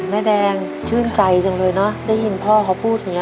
แม่แดงชื่นใจจังเลยเนอะได้ยินพ่อเขาพูดอย่างนี้